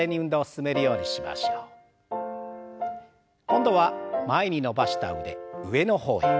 今度は前に伸ばした腕上の方へ。